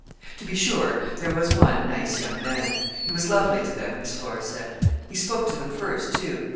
To be sure, there was one nice young man. He was lovely to them, Miss Flora said. He spoke to them first, too.